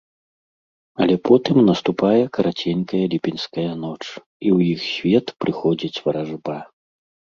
Але потым наступае караценькая ліпеньская ноч, і ў іх свет прыходзіць варажба.